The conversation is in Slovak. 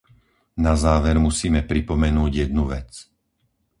Na záver musíme pripomenúť jednu vec.